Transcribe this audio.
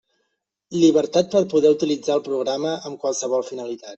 Llibertat per poder utilitzar el programa amb qualsevol finalitat.